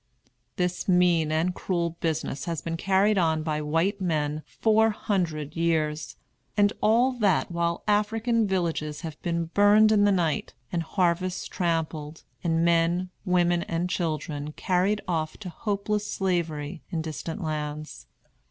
This mean and cruel business has been carried on by white men four hundred years; and all that while African villages have been burned in the night, and harvests trampled, and men, women, and children carried off to hopeless Slavery in distant lands.